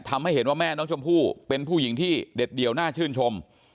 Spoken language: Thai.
ทำให้เห็นว่าแม่น้องชมพู่เป็นผู้หญิงที่เด็ดเดี่ยวน่าชื่นชม